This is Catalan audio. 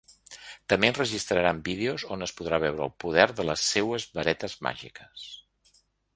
També enregistraran vídeos on es podrà veure el poder de les seues varetes màgiques.